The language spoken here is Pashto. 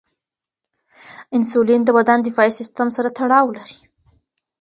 انسولین د بدن دفاعي سیستم سره تړاو لري.